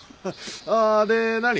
ああで何？